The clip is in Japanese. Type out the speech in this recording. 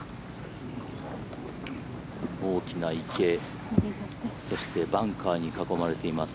大きな池そしてバンカーに囲まれています